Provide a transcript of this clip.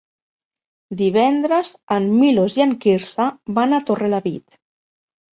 Divendres en Milos i en Quirze van a Torrelavit.